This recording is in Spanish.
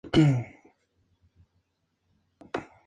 Solo Anna Maria es secuestrada.